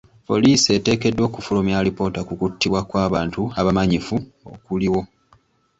Poliisi eteekeddwa okufulumya alipoota ku kuttibwa kw'abantu abamanyifu okuliwo.